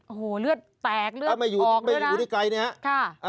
โอ้โหเลือดแตกเลือดออกไม่อยู่ที่ไกลนะ